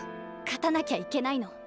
勝たなきゃいけないの。